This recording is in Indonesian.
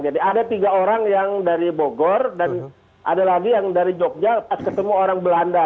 jadi ada tiga orang yang dari bogor dan ada lagi yang dari jogja pas ketemu orang belanda